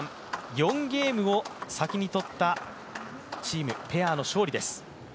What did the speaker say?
４ゲームを先にとったチームペアの勝利です。